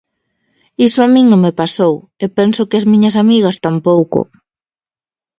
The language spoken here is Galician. Iso a min non me pasou, e penso que ás miñas amigas tampouco.